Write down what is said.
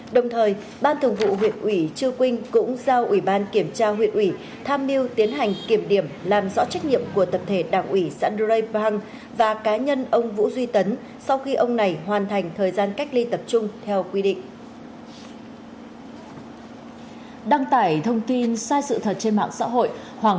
đồng thời ban thường vụ huyện ủy chư quynh cũng giao ủy ban kiểm tra huyện ủy tham miu tiến hành kiểm điểm làm rõ trách nhiệm của tập thể đảng ủy san draibram và cá nhân ông vũ duy tấn sau khi ông này hoàn thành thời gian cách ly tập trung